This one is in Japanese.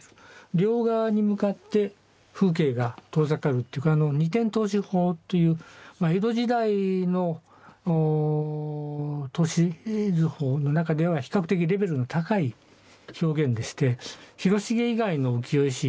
両側に向かって風景が遠ざかるっていうか二点透視法という江戸時代の透視図法の中では比較的レベルの高い表現でして広重以外の浮世絵師はあまりこれをうまく描けてる人はいないですね。